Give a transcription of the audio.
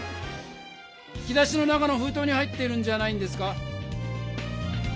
引き出しの中のふうとうに入っているんじゃないんですか？